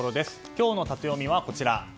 今日のタテヨミは、こちら。